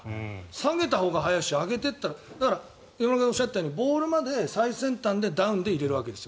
下げたほうが速いし上げたほうがだから岩村さんがおっしゃったようにボールまで最先端でダウンで入れるわけです。